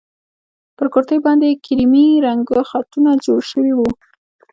پر کورتۍ باندې يې کيريمي رنګه خطونه جوړ شوي وو.